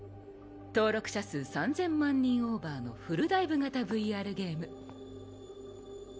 登録者数３０００万人オーバーのフルダイブ型ＶＲゲーム。